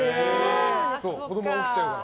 子供が起きちゃうから。